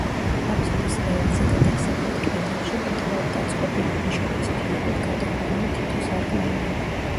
აფსიდის ღერძზე და დასავლეთ კედელში ბრტყლად დაწყობილი ქვიშაქვის ფილებით გადახურული თითო სარკმელია.